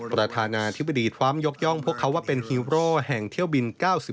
ประธานาธิบดีทรัมป์ยกย่องพวกเขาว่าเป็นฮีโร่แห่งเที่ยวบิน๙๑